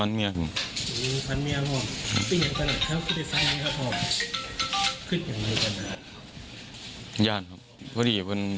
เข้าฟันเลย